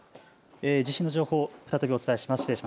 地震の情報をお伝えします。